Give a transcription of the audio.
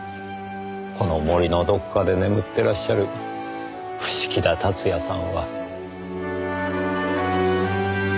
この森のどこかで眠ってらっしゃる伏木田辰也さんは。